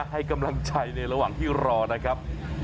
ให้กำลังใจในระหว่างที่รอนะครับ